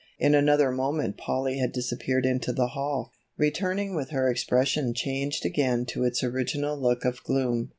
In another moment Polly had disappeared into the hall, returning with her expression changed again to its original look of gloom.